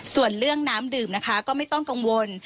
ส่วนเรื่องน้ำดื่มนะคะก็ไม่ต้องกังวล